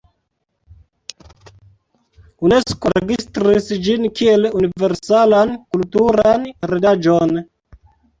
Unesko registris ĝin kiel universalan kulturan heredaĵon.